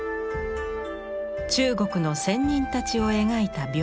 中国の仙人たちを描いた屏風。